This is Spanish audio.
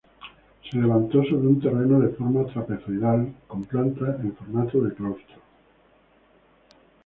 Se levantó sobre un terreno de forma trapezoidal, con planta en formato de claustro.